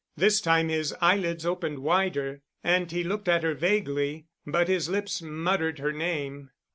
This time his eyelids opened wider, and he looked at her vaguely. But his lips muttered her name.